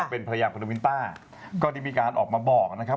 เป็นภรรยาคุณนาวินต้าก็ได้มีการออกมาบอกนะครับ